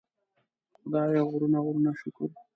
خدایه غرونه غرونه شکر.